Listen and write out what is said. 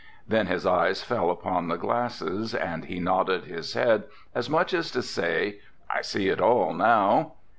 Then his eyes fell upon the glasses and he nodded his head as much as to say, "I see it all now."